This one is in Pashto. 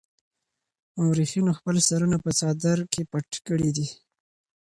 مورخينو خپل سرونه په څادر کې پټ کړي دي.